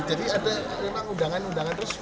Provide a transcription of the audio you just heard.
jadi ada memang undangan undangan resmi